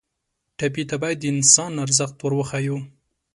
ټپي ته باید د انسان ارزښت ور وښیو.